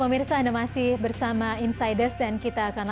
terima kasih banyak banyak